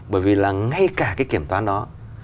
bởi vì là ngay cả cái kiểm toán đó